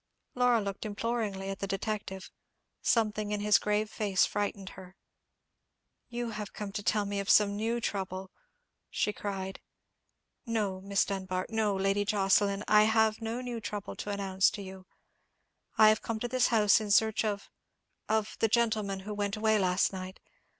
Laura looked imploringly at the detective. Something in his grave face frightened her. "You have come to tell me of some new trouble," she cried. "No, Miss Dunbar—no, Lady Jocelyn, I have no new trouble to announce to you. I have come to this house in search of—of the gentleman who went away last night.